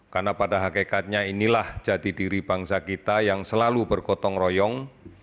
karena pada hakikatnya inilah jati diri bangsa kita yang selalu bergotong royong